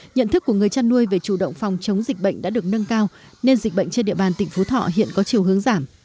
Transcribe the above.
nhận thức của người chăn nuôi về chủ động phòng chống dịch bệnh đã được nâng cao nên dịch bệnh trên địa bàn tỉnh phú thọ hiện có chiều hướng giảm